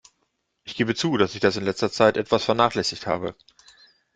Ich gebe zu, dass ich das in letzter Zeit etwas vernachlässigt habe.